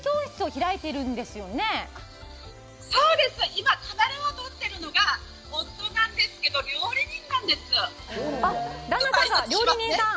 今カメラを撮ってるのが夫なんですけど料理人なんです旦那さんが料理人さん